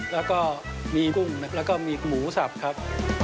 แล้วก็มีกุ้งแล้วก็มีหมูสับครับ